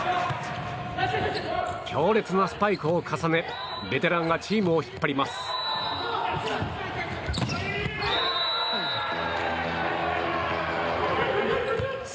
強烈なスパイクを重ねベテランがチームを引っ張ります。